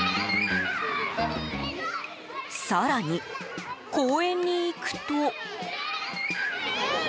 更に、公園に行くと。